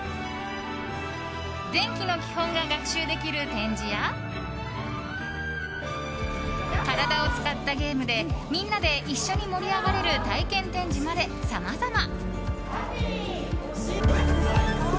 電気の基本が学習できる展示や体を使ったゲームでみんなで一緒に盛り上がれる体験展示まで、さまざま。